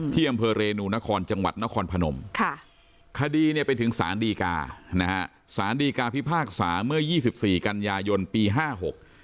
ที่อำเภอเรนูนครจังหวัดนครพนมค่ะคดีเนี่ยไปถึงสารดีกานะฮะสารดีกาพิพากษาเมื่อยี่สิบสี่กันยายนปีห้าหก